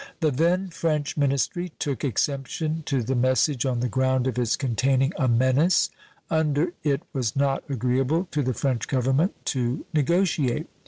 The then French ministry took exception to the message on the ground of its containing a menace, under it was not agreeable to the French Government to negotiate.